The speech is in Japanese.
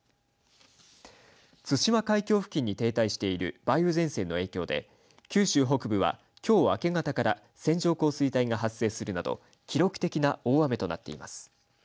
対馬海峡付近に停滞している梅雨前線の影響で九州北部は今日明け方から線状降水帯が発生するなど記録的な大雨となっています。